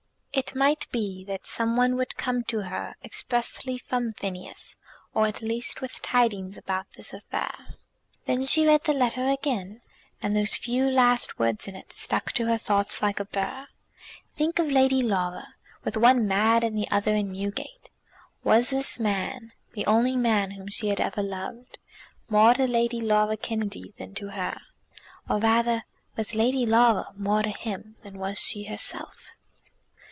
It might be that some one would come to her expressly from Phineas, or at least with tidings about this affair. Then she read the letter again, and those few last words in it stuck to her thoughts like a burr. "Think of Lady Laura, with one mad and the other in Newgate." Was this man, the only man whom she had ever loved, more to Lady Laura Kennedy than to her; or rather, was Lady Laura more to him than was she herself?